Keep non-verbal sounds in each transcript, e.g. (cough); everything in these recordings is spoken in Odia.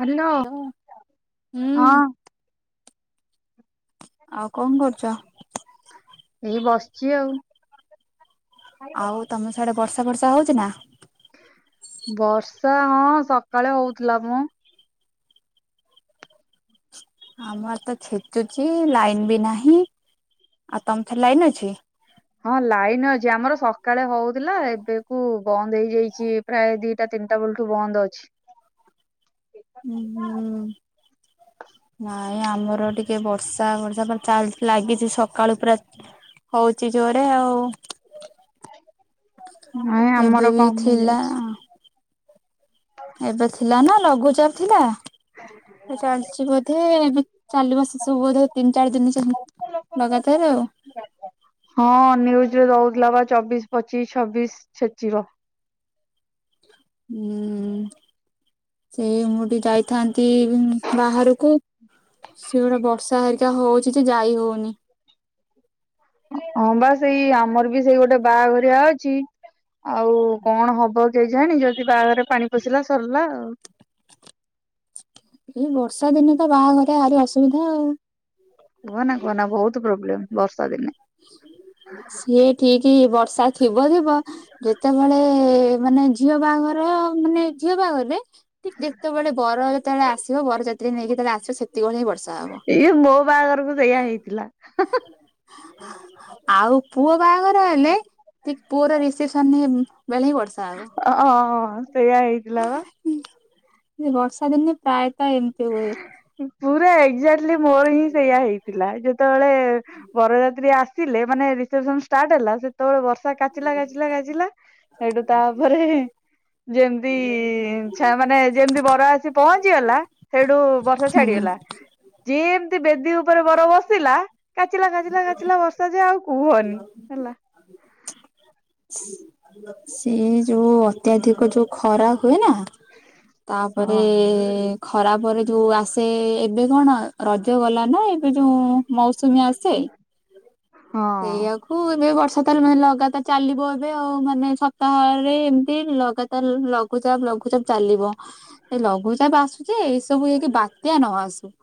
କାରଣ ହଁ। ହୁଁ ଆଉ କଣ କରୁଛ? ଏଇ ବସିଛି ଆଉ ଆଉ ତମେ ସିଆଡେ ବର୍ଷା ଫର୍ଷା ହଉଛି ନା। ବର୍ଷା ହଁ ସକାଳେ ହଉଥିଲା ମଁ। ଆମର ତ ଛେଚୁଛି ଲାଇନ ବି ନାହିଁ ଆଉ ତମେ ଥରେ ଲାଇନି ଅଛି। ହଁ ଲାଇନ୍ ଅଛି ଆମର ସକାଳେ ହଉଥିଲା ଏବେ କୁ ବନ୍ଦ ହେଇଯାଇଛି। ପ୍ରାୟ ଦିଟା ତିନିଟା ବେଳଠୁ ବନ୍ଦ ଅଛି। ହୁଁ ହୁଁ। ନାଇଁ ଆମର ଟିକେ ବର୍ଷା ବର୍ଷା ଚାଲି ଲାଗିଛି। ସ ସକାଳୁ ପୁରା ହଉଚି ଜୋରେ ଆଉ। ନାଇଁ ଏବେ ଆମର ବି କମି ଥିଲା। ଯାଇଛି ଏବେ ଥିଲା ନା ଲଘୁଚାପ ଥିଲା। ଚାଲିଛି ବୋଧେ ଏବେ ଚାଲିବ ସେ ସବୁ ବୋଧେ ତିନି ଚାରି ଦିନ ଚାହିଁ ଲଗାତାର ଆଉ। ହଁ ନ୍ୟୁଜରେ ଦଉଥିଲା ବା ଚବିଶ ପଚିଶ ଛବିଶ ଛେଚିବ। ହୁଁ ସେଇ ମୁଁ ଟିକେ ଯାଇଥାନ୍ତି ବାହାରକୁ। ସେ ଗୋଟେ ବର୍ଷା ହେରିକା ହଉଛି ଯେ ଯାଇ ହଉନି। ହଁ ବା ସେଇ ଆମର ବି ସେଇ ଗୋଟେ ବାଆଘରିଆ ଅଛି। ଆଉ କଣ ହବ କେଜାଣି ଯଦି ବାହାଘରେ ପାଣି ପଶିଲା ସରିଲା ଆଉ। ଏଇ ବର୍ଷା ଦିନେ ତ ବାଆଘରିଆ ଆହୁରି ଅସୁବିଧା ଆଉ। କୁହନା କୁହନା ବହୁତ ପ୍ରୋବ୍ଲେମ୍ ବର୍ଷା ଦିନେ। ସିଏ ଠିକ ବର୍ଷା ଥିବ ଥିବ ଯେତେବେଳେ ମାନେ ଝିଅ ବାହାଘର ମାନେ ଝିଅ ବାହାଘରରେ ଯେତେବେଳେ ବର ଯେତେବେଳେ ଆସିବ ବରଯାତ୍ରୀ ନେଇକି ଯେତେବେଳେ ଆସିବ ସେତିକିବେଳେ ଏ ବର୍ଷା ହବ। ଇଏ ମୋ ବାହାଘରକୁ ସେଇଆ ହେଇଥିଲା। ହଁ ହଁ। ଆଉ ପୁଅ ବାହାଘର ହେଲେ ଠିକ ପୁଅର ରିସେପସନ ବେଳେ ହିଁ ବର୍ଷା ହେବ। ଅ ଅ ଅ ସେଇୟା ହେଇଥିଲା ବା। ବର୍ଷା ଦିନେ ପ୍ରାୟ ତ ଏମିତି ହୁଏ। ପୁରା ଏକ୍ଜାକ୍ଟଲି ମୋର ହିଁ ସେଇୟା ହେଇଥିଲା ଯେତେବେଳେ ବରଯାତ୍ରୀ ଆଶ୍ ଥିଲେ ମାନେ ରିସେପସନ ଷ୍ଟାର୍ଟ ହେଲା ସେତେବେଳେ ବର୍ଷା କାଚିଲା କାଚିଲା କାଚିଲା। ହେଇଠୁ ତାପରେ ଯେମିତି ଛା ମାନେ ଯେମିତି ବର ଆସି। ପହଞ୍ଚିଗଲା ସେଇଠୁ ବର୍ଷା ହୁଁ ଛାଡିଗଲା। ଯେମିତି ବେଦି ଉପରେ ବର ବସିଲା କାଚିଲା କାଚିଲା କାଚିଲା ବର୍ଷା ଯେ ଆଉ କୁହନି ହେଲା। ହୁଁ। ସେ ଯୋଉ ଅତ୍ୟାଧିକ ଯୋଉ ଖରା ହୁଏ ନା ତା ପରେ ହଁ। ଖରାପରେ ଯୋଉ ଆସେ ଏବେ କଣ ରଜ ଗଲା ନା ଏବେ ଯୋଉଁ ମୌସୁମୀ ଆସେ। ହଁ। ସେଇଆ କୁ ଏବେ ବର୍ଷା ତାହେଲେ ମାନେ ଲଗାତାର ଚାଲିବ ଏବେ ଆଉ ମାନେ ସପ୍ତାହରେ ଏମିତି ଲଗା ତାର ଲଘୁଚାପ ଲଘୁଚାପ ଚାଲିବ। ଏ ଲଘୁଚାପ ଆସୁ ଯେ ଏଇ ସବୁ ହେଇକି ବାତ୍ୟା ନ ଆସୁ।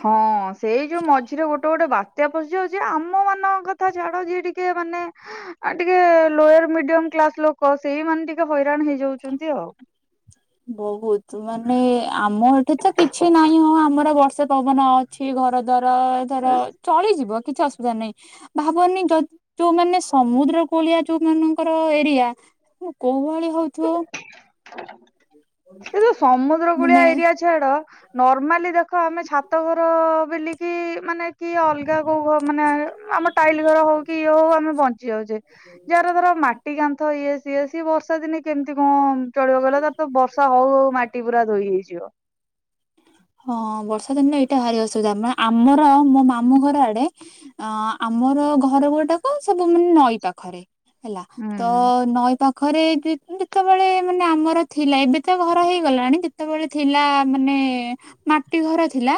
ହଁ ସେଇ ଯୋଉ ମଝିରେ ଗୋଟେ ଗୋଟେ ବାତ୍ୟା ପଶିଯାଉଛି ଆମ ମାନଙ୍କ କଥା ଛାଡ ଯିଏ ଟି କେ ମାନେ ଆଁ ଟିକେ ଲୋୟର ମିଡିଅମ୍ କ୍ଲାସ ଲୋକ ସେଇମାନେ ଟିକେ ହଇରାଣ ହେଇଯାଉଛନ୍ତି ଆଉ। ବହୁତ ମାନେ ଆମ ଏଠି ତ କିଛି ନାହିଁ ହଁ ଆମର ବର୍ଷା ପବନ ଅଛି ଘରଦ୍ୱାର ଧର ଚଳିଯିବ କିଛି ଅସୁବିଧା ନାହିଁ। ଭାବନି ଯ ଯୋଉମାନେ ସମୁଦ୍ର କୂଳିଆ ଯୋଉ ମାନଙ୍କର ଏରିଆ (unintelligible) କୋଉ ଭଳି ହଉଥିବ। ଏ ଯୋଉ ସମୁଦ୍ର କୂଳିଆ ମାନେ ଏରିଆ ଛାଡ ନର୍ମାଲି ଦେଖ ଆମେ ଛାତଘର ବିଲିକି ମାନେ କିଏ ଅଲଗା କୋଉ ଘ ମାନେ ଅଁ ଆମ ଟାଇଲ ଘର ହଉ କି ଇଏ ହଉ ଆମେ ବଞ୍ଚି ଯାଉଛେ। ଯାହାର ଧର ମା ଟି କାନ୍ଥ ଇଏ ସିଏ ସିଏ ବର୍ଷା ଦିନେ କେମିତି କଣ ଚଳିବ କହିଲ? (unintelligible) ତ ବର୍ଷା ହଉ ହଉ ମାଟି ପୁରା ଧୋଇ ହେଇଯିବ। ହଁ ବର୍ଷା ଦିନରେ ଏଇଟା ଭାରି ଅସୁବିଧା। ମାନେ ଆମର ମୋ ମାମୁଁ ଘର ଆଡେ ଅଁ ଆମର ଘର ଗୋଡାକ ସବୁ ମାନେ ନଈ ପାଖରେ। ହେଲା ହୁଁ ତ ନଈ ପା ଖରେ ଯେ-ଯେତେବେଳେ ମାନେ ଆମର ଥିଲା ଏବେ ତ ଘର ହେଇଗଲାଣି ଯେତେବେଳେ ଥିଲା ମାନେ ମାଟି ଘର ଥିଲା,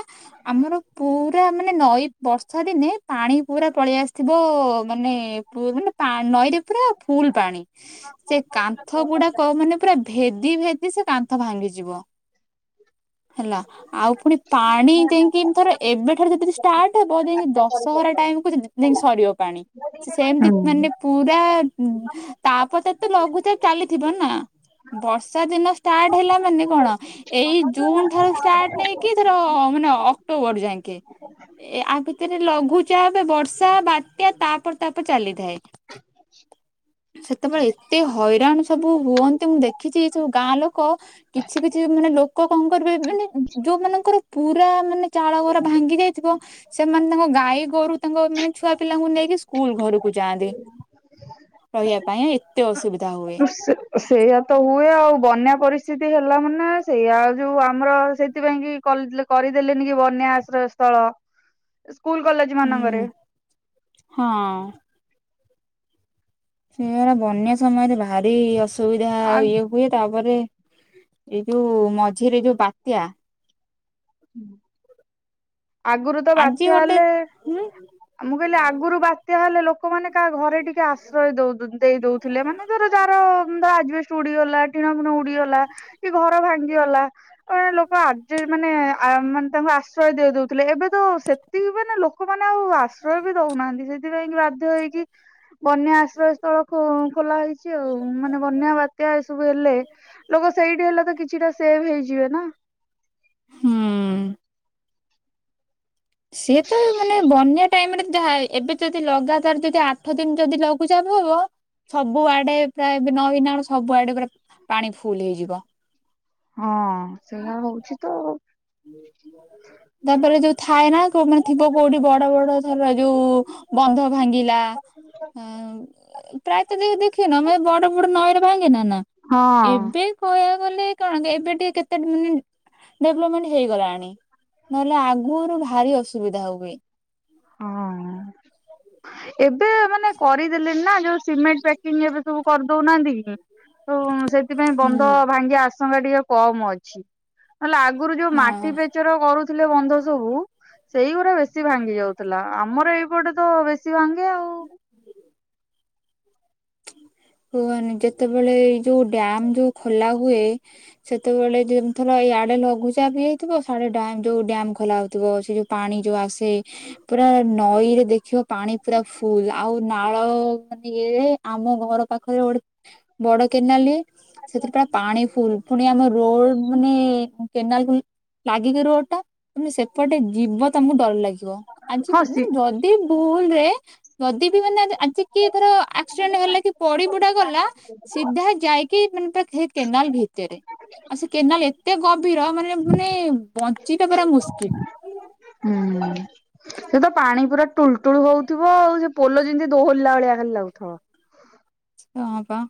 ଆମର ପୁରା ମାନେ ନଈ ବର୍ଷା ଦିନେ ପାଣି ପୁରା ପଳେଇ ଆସିଥିବ ମାନେ ପୁ ମାନେ ପା ନଈରେ ପୁରା ଫୁଲ୍ ପାଣି। ସେ କାନ୍ଥଗୁଡାକ ମାନେ ପୁରା ଭେ ଦି ଭେଦି ସେ କାନ୍ଥ ଭାଙ୍ଗିଯିବ ହେଲା। ଆଉ ପୁଣି ପାଣି ଯାଇକି ଥର ଏବେଠାରୁ ଯଦି (unintelligible) ଷ୍ଟାର୍ଟ ହବ ଯାଇକି ଦଶହରା ଟାଇମକୁୁ ଯ-ଯ ଯାଇକି ସରିବ ପାଣି ସେ ସେମିତି ହୁଁ। ମାନେ ପୁରା ତା ପରେ ତାର ତ ଲଘୁଚାପ ଚାଲିଥିବ ନା। ବର୍ଷା ଦିନ ଷ୍ଟାର୍ଟ ହେଲା ମାନେ କଣ ଏଇ ଜୁନ୍ ଠାରୁ ଷ୍ଟାର୍ଟ ନେଇକି ଧର ମାନେ ଅ-ଅକ୍ଟୋବର ଯାଁକେ। ଏ ଆ ଭିତେରେ ଲଘୁଚାପ ବର୍ଷା, ବାତ୍ୟା ତା ପରେ ତା ପରେ ଚାଲିଥାଏ। (inaudible) ସେତେବେଳେ ଏତେ ହଇରାଣ ସବୁ ହୁଅନ୍ତି ମୁଁ ଦେଖିଛି ସବୁ ଗାଁ ଲୋକ କିଛି କିଛି ମାନେ ଲୋକ କଣ କରିବେ ମାନେ ଉଁ ଯୋଉ ମାନଙ୍କର ପୁରା ମାନେ ଚାଳ ଘର ଭାଙ୍ଗି ଯାଇଥିବ ସେମାନେ ତାଙ୍କ ଗାଈଗୋରୁ ତାଙ୍କ ମାନେ ଛୁଆ ପିଲାଙ୍କୁ ନେଇକି ସ୍କୁଲ ଘରୁ କୁ ଯାଆନ୍ତି ରହିବା ପାଇଁ। ଏତେ ଅସୁବିଧା ହୁଏ। ସେଇଆ ତ ହୁଏ ଆଉ। ବନ୍ୟା ପରିସ୍ଥିତି ହେଲା ମାନେ ସେଇଆା ଆଉ ଯୋଉ ଆମର ସେଇଥିପାଇଁ କି କଲେ କରିଦେଲେନି କି ବନ୍ୟା ଆଶ୍ରୟ ସ୍ଥଳ। ସ୍କୁଲ କଲେଜ୍ ହୁଁ ହଁ। ସେରା ବନ୍ୟା ସମୟରେ ଭାରି ଅସୁବିଧା ଆ ଆଉ ଇଏ ହୁଏ ତାପରେ ଏଇ ଯୋଉ ମଝିରେ ଯୋଉ ବାତ୍ୟା। ଆଗୁରୁ ତ ଆଜି ବାତ୍ୟା ଗୋଟେ ହେଲେ ହୁଁ ମୁଁ କହିଲି ଆଗୁରୁ ବାତ୍ୟା ହେଲେ ଲୋକମାନେ କାହା ଘରେ ଟିକେ ଆଶ୍ରୟ ଦଉ ଦେଇ ଦଉଥିଲେ। ମାନେ ଧର ଯାହାର ଆଜବେଷ୍ଟ ଚୁଡିଗଲା ଟିଣ ଫୁଣ ଉଡିଗଲା କି ଘର ଭାଙ୍ଗିଗଲା ମାନ ଲୋକ ଆଜ ମାନେ ମାନେ ତାଙ୍କୁ ଆଶ୍ରୟ ଦେଇ ଦଉଥିଲେ। ଏବେ ତ ସେତିକି ମାନ ଲୋକମାନେ ଆଉ ଆଶ୍ରୟ ବି ଦଉନାହାନ୍ତି। ସେ ସେଥିପାଇଁ ବାଧ୍ୟ ହେଇକି ବନ୍ୟା ଆଶ୍ରୟ ସ୍ଥଳ ଖୋ ଖୋଲା ହେଇଛି ଆଉ। ମାନେ ବନ୍ୟା ବାତ୍ୟା ଏସବୁ ହେଲେ ଲୋକ ସେଇଠି ହେଲେ ତ କିଛିଟା ସେଭ ହେଇଯିବେ ନା। ହୁଁ। ସିଏ ତ ମାନେ ବନ୍ୟା ଟାଇମରେ ଯାହା ଏବେ ଯଦି ଲଗାତାର ଯଦି ଆ ଆଠ ଦିନ ଯଦି ଲଘୁଚାପ ହବ ସବୁ ଆଡେ ପ୍ରାୟବେ ନଇନା ସବୁ ଆଡେ ପୁରା ପାଣି ଫୁଲ ହେଇଯିବ। ହଁ ସେଇଆ ହଉଛି ତ। ତାପରେ ଯୋଉ ଥାଏ ନା କୋଉ ମାନେ ଥିବ କୋଉଠି ବଡ ବଡ ଧର ଯୋଉ ବନ୍ଧ ଭାଙ୍ଗିଲା। ଆଁ ପ୍ରାୟତଃ ଦେ ଦେଖିନ ମୁ ବଡ ବଡ ନଈରେ ଭାଙ୍ଗେନା ନା। ହଁ ଏବେ କହିବା ଗଲେ କଣ ଏବେ ଟିକେ କେତେ ମାନେ ଡେବ୍ଲୋମେଣ୍ଟ ହେଇଗଲାଣି ନହେଲେ ଆଗରୁ ଭାରି ଅସୁବିଧା ହୁଏ। ହଁ ଏବେ ମାନେ କରିଦେଲେ ନା ଯୋଉ ସିମେଣ୍ଟ ପ୍ୟାକିଙ୍ଗ ଏବେ ସବୁ କରି ଦଉନାହାନ୍ତି କି ତ ସେଥିପାଇଁ ହୁଁ। ବନ୍ଧ ଭାଙ୍ଗି ଆସ ସଂଖ ଟିକେ କମ୍ ଅଛି। ନହେଲେ ଆଗରୁ ଯୋଉ ହଁ। ମାଟି ପେ କରୁଥିଲେ ବନ୍ଧ ସବୁ ସେଇଗୁଡା ବେଶୀ ଭାଙ୍ଗି ଯାଉଛି। ଥିଲା ଆମର ଏଇପଟେ ତ ବେଶୀ ଭାଙ୍ଗେ ଆଉ। କୁହନି ଯେତେବେଳେ ଏଇ ଯୋଉ ଡ୍ୟାମ ଯୋଉ ଖୋଲା ହୁଏ। ସେତେବେଳେ ଯେମିତି ଥର ଇଆଡେ ଲଘୁଚାପ ହେଇଥିବ ସିଆଡେ ଯୋଉ ଡ୍ୟାମ ଖୋଲା ହଉଥିବ। ସେ ଯୋଉ ପାଣି ଯୋଉ ଆସେ। ପୁରା ନଈରେ ଦେଖିବ ପାଣି ପୁରା ଫୁଲ। ଆଉ ନାଳ ମାନେ ଇଏ ଆମ ଘର ପାଖରେ ଗୋଟେ ବଡ କେନାଲି ସେଥିରେ ପାୟ ପାଣି ଫୁଲ ପୁଣି ଆମ ରୋଡ ମାନେ କେନାଲ ଫୁଲ। ଲାଗିକି ରୁହ ଟା ତମେ ସେପଟେ ଯିବ ତମକୁ ଡର ଲାଗିବ। ଆଜି ହଁ ସି ମାନେ ଯଦି ଭୁଲରେ ଯଦି ବି ମାନେ ଆଜିକି ଧର ଆକ୍ସିଡେଣ୍ଟ ହେଲା କି ପଡି ପୁଡା ଗଲା ସିଧା ଯାଇକି ମାନେ କେନାଲ ଭିତରେ। ଆଉ ସେ କେନାଲ ଏତେ ଗଭୀର ମାନେ ମାନେ ବଞ୍ଚିବା ପରା ମୁସ୍କିଲ। ହୁଁ। ସେ ତ ପାଣି ପୁରା ଟୁଲ ଟୁଳ ହଉଥିବ ଆଉ। ସେ ପୋଲ ଯେମିତି ଦୋହରିଲା ଭଳିଆ ଖାଲି ଲାଗୁଥିବ। ହଁ ପା।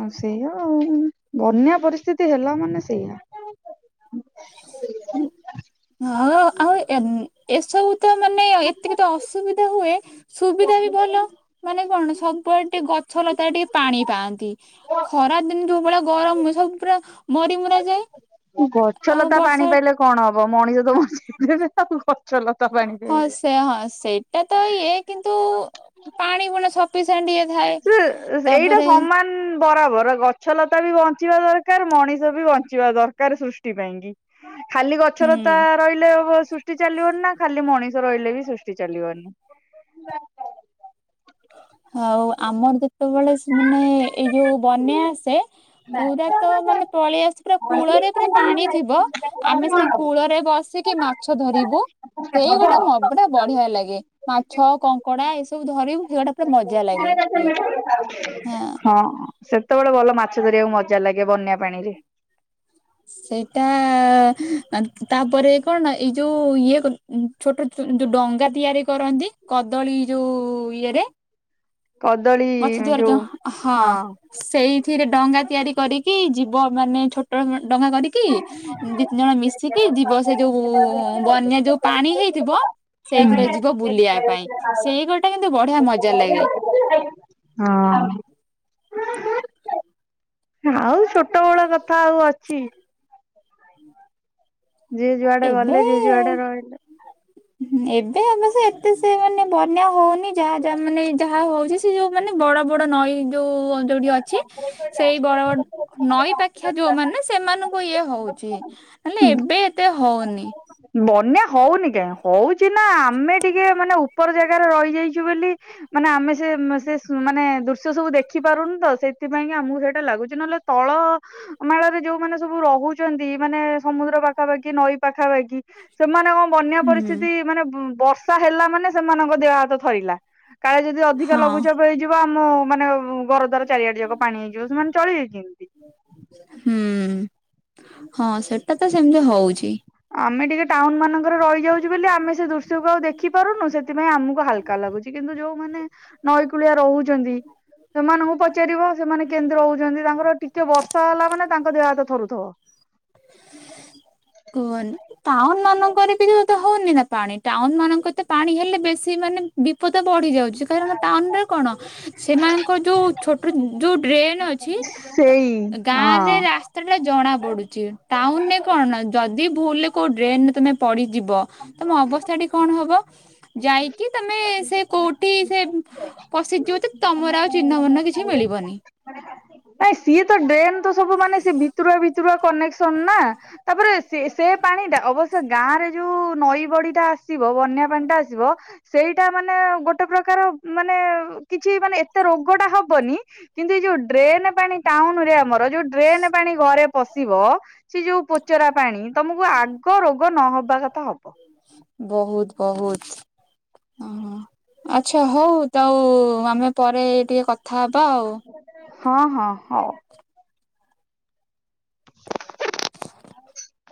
ଆଉ ସେଇଆ ଆଉ। ବନ୍ୟା ପରିସ୍ଥିତି ହେଲା ମାନେ ସେଇଆ। ହଁ ଆଉ ଏବ୍ ଏସବୁ ତ ମାନେ ଏତିକି ତ ଅସୁବିଧା ହୁଏ ସୁବିଧା ବି ଭଲ। ମାନେ କଣ ସବୁଆଡେ ଟିକେ ଗଛ ଲତା ଟିକେ ପାଣି ପାଆନ୍ତି। ଖରା ଦିନ ଯୋଉ ଭଳିଆ ଗରମ ସବୁ ପୁରା ମରି ମୁରା ଯାଏ। ଗଛ ଆଉ ଲତା ପାଣି ବର୍ଷା ପାଇଲେ କଣ ହବ? ମଣିଷ ତ ବଞ୍ଚେଇ ଦେବେ। ଆଉ ଗଛ ଲତା ପାଣି ହଁ ପାଇବେ। ସେ ହଁ ସେଇଟା ତ ଇଏ କିନ୍ତୁ ପାଣି ଭଳିଆ ସଫିସିଏଣ୍ଟ ଇଏ ଥାଏ ସେ ଏଇଟା ତାପରେ ସମାନ ବରାବର ଗଛଲତା ବି ବଞ୍ଚିବା ଦରକାର ମଣିଷ ବି ବଞ୍ଚିବା ଦରକାର ସୃଷ୍ଟି ପାଇଁ କିି। ଖାଲି ଗଛ ହୁଁ। ଲତା ରହିଲେ ହବ ସୃଷ୍ଟି ଚାଲିବନି ନା ଖାଲି ମଣିଷ ରହିଲେ ବି ସୃ ଷ୍ଟି ଚାଲିବନି। ହଉ ଆମର ଯେତେବେଳେ ଶ୍ ମାନେ ଏଇ ଯୋଉ ବନ୍ୟା ଆସେ ପୁରା ତ ମାନେ ପଳେଇ ଆସେ ପୁରା କୂଳରେ ପୁରା ପାଣି ଥିବ ଆମେ ସେ କୂଳରେ ବସିକି ମାଛ ଧରିବୁ ସେଇ ଗୋଟେ (unintelligible) ବଢିଆ ଲାଗେ। ମାଛ, କଙ୍କଡା ଏ ସବୁ ଧରିବୁ ସେଗୁଡା ପୁରା ମଜା ଲାଗେ ଇଏ ହଁ। ସେତେବେଳେ ଭଲ ମାଛ ଧରିବାକୁ ମଜା ଲାଗେ ବନ୍ୟା ପାଣି ରେ। ସେଇଟା ତାପରେ କଣ ଏଇ ଯୋଉ ଇଏ କଣ ଉଁ ଛୋଟ ଯୋଉ ଡଙ୍ଗା ତିଆରି କରନ୍ତି କଦଳୀ ଯୋଉ ଇଏ ରେ କଦଳୀ ଗଛ ଚଢ଼ୁଚ ଯୋଉ ହଁ। ସେଇଥିରେ ଡଙ୍ଗା ତିଆରି କରିକି ଯିବ ମାନେ ଛୋଟ ଡଙ୍ଗା କରି କି ଦି ତିନି ଜଣ ମିଶିକି ଯିବ ସେଇ ଯୋଉ ବନ୍ୟା ଯୋଉ ପାଣି ହେଇଥିବ ହଁ ସେଇଥିରେ ଯିବ ବୁଲିବା ପାଇଁ ସେଇ ଗୋଟା କିନ୍ତୁ ବଢିଆ ମଜା ଲାଗେ। ହଁ। ଆଉ ଛୋଟ ବେଳ କଥା ଆଉ ଅଛି? ଯିଏ ଯୁଆଡେ ଗଲେ ଯିଏ ଯୁଆଡେ ରହିଲେ। ହୁଁ ଏବେ ଆମେ ସେ ଏତେ ସେତେ ମାନେ ବନ୍ୟା ହଉନି ଯାହା ଯାହା ମାନେ ଯାହା ହଉଛି ସେ ଯୋଉ ମାନେ ବଡ ବଡ ନଈ ଯୋଉ ଅଞ୍ଚଳ ଯୋଉଠି ଅଛି ସେଇ ବଡ ବ ନଈ ପାଖିଆ ଯୋଉମାନେ ସେମାନଙ୍କୁ ଇଏ ହଉଛି ନହେଲେ ଏବେ ଏତେ ହଉନି। ବନ୍ୟା ହଉନି କାଇଁ ହଉଛି ନା ଆମେ ଟିକେ ମାନେ ଉପର ଜାଗାରେ ରହିଯାଇଛୁ ବେଲି ମାନେ ଆମେ ସେ ଉଁ ସେ ଉଁ ମାନେ ଦୃଶ୍ୟ ସବୁ ଦେଖି ପାରୁନୁ ତ ସେଥିପାଇଁ କି ଆମକୁ ସେଇଟା ଲାଗୁଛି ନହେଲେ ତଳ ମାଳରେ ଯୋଉମାନେ ସବୁ ରହୁଛନ୍ତି, ମାନେ ସମୁଦ୍ର ପାଖାପାଖି ନଈ ପାଖାପାଖି ସେମାନେ କଣ ବନ୍ୟା ହୁଁ ପରିସ୍ଥିତି ମାନେ ବର୍ଷା ହେଲା ମାନେ ସେମାନଙ୍କ ଦେହ ହାତ ଥରିଲା। କାଳେ ଯଦି ଅଧିକା ହଁ ଲଗୁଚାପ ପ ହେଇଯିବ ଆମ ମାନେ ଘର ଦ୍ୱାର ଚାରିଆଡେ ଯାକ ପାଣି ହେଇଯିବ ସେମାନେ ଚଳିବେ କେମିତି? ହୁଁ ହଁ ସେଟା ତ ସେମିତି ହଉଛି। ଆମେ ଟିକେ ଟାଉନ ମାନଙ୍କରେ ରହିଯାଉଛୁ ବୋଲି ଆମେ ସେ ଦୃଶ୍ୟକୁ ଆଉ ଦେଖିପାରୁନୁ ସେଥିପାଇଁ ଆମକୁ ହାଲ କା ଲାଗୁଛି କିନ୍ତୁ ଯୋଉ ମାନେ ନଈକୂଳିଆ ରହୁ ଛନ୍ତି ସେମାନଙ୍କୁ ପଚାରିବ ସେମାନେ କେମତି ରହୁ ଛନ୍ତି ତାଙ୍କର ଟିକେ ବର୍ଷା ହେଲା ମାନେ ତାଙ୍କ ଦେହ ହାତ ଥରୁଥବ। କୁହନି ଟାଉନମାନଙ୍କରେ ବି ତ ଏତେ ହଉନି ନା ପାଣି ଟାଉନମାନଙ୍କ ତ ପାଣି ହେଲେ ବେଶୀ ମାନେ ବିପଦ ବଢି ଯାଉଛି। କାରଣ ଟାଉନରେ କଣ ସେମାନଙ୍କ ଯୋଉ ଛୋଟ ଯୋଉ ଡ୍ରେନ ଅଛି ସେଇ ହଁ। ସେଟା ଜଣା ପଡୁଛି ଟାଉନରେ କଣ ଯଦି ଭୁଲରେ କୋଉ ଡ୍ରେନରେ ତମେ ପଡିଯିବ ତମ ଅବସ୍ଥାଟି କଣ ହବ ଯାଇକି ତମେ ସେ କୋଉଠି ସେ ପଶିଯିବ ତ ତମର ଆଉ ଚିହ୍ନବଣ୍ଣ କିଛି ମିଳିବନି। ନାଇଁ ସିଏ ତ ଡ୍ରେନ ତ ସବୁ ମାନେ ସେ ଭିତରୁଆ ଭିତରୁଆ କନେକ୍ସନ ନା! ତାପରେ ସେ ସେ ପାଣି ଟା ଅବଶ୍ୟ ଗାଁ ରେ ଯୋଉ ନଈ ବଡି ଟା ଆସିବ ବନ୍ୟା ପାଣି ଟା ଆସିବ ସେଇଟା ମାନେ ଗୋଟେ ପ୍ରକାର ମାନେ କିଛି ମାନେ ଏତେ ରୋଗଟା ହବନି କିନ୍ତୁ ଏ ଯଉ ଡ୍ରେନେ ପାଣି ଟାଉନୁ ରେ ଆମର ଯଉ ଡ୍ରେନେ ପାଣି ଘରେ ପଶିବ ସେ ଯଉ ପୋଚରା ପାଣି ତମକୁ ଆଗ ରୋଗ ନହବା କଥା ହବ। ବହୁତ୍ -ବହୁତ୍। ଓହୋ ଆଚ୍ଛା ହଉ ତଉ ଆମେ ପରେ ଟିକେ କଥା ହବା ଆଉ। ହଁ- ହଁ ହଉ।